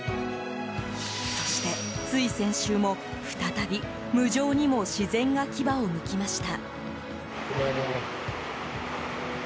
そして、つい先週も再び無情にも自然が牙をむきました。